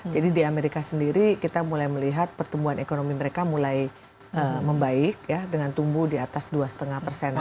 jadi di amerika sendiri kita mulai melihat pertumbuhan ekonomi mereka mulai membaik ya dengan tumbuh di atas dua lima persenan